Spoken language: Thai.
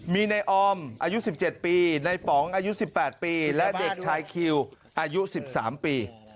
มีในออมอายุ๑๗ปีในป๋องอายุ๑๘ปีและเด็กชายคิวอายุ๑๓ปี